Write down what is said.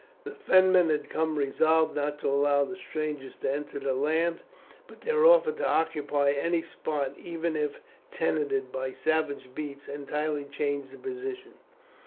The Fenmen had come resolved not to allow the strangers to enter their land, but their offer to occupy any spot, even if tenanted by savage beasts, entirely changed the position.